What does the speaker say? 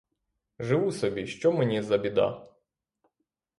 Живу собі, що мені за біда!